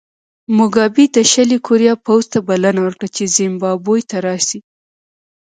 موګابي د شلي کوریا پوځ ته بلنه ورکړه چې زیمبابوې ته راشي.